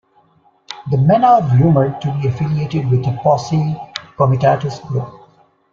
The men are rumored to be affiliated with a Posse Comitatus group.